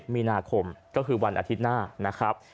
มีนาคมก็คือวันอาทิตย์หน้านะครับ